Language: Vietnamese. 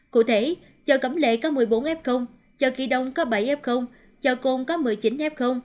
cụ thể chợ cầm lệ có một mươi bốn f chợ kỳ đồng có bảy f chợ cồn có một mươi chín f